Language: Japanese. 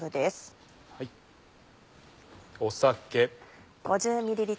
酒。